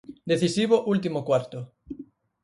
Decisivo último cuarto.